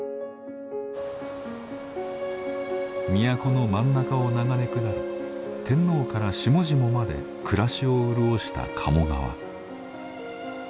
都の真ん中を流れ下り天皇から下々まで暮らしを潤した鴨川。